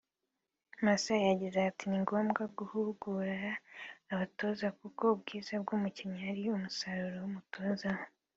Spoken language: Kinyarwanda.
Masai yagize ati “Ni ngombwa guhugura abatoza kuko ubwiza bw’umukinnyi ari umusaruro w’umutoza we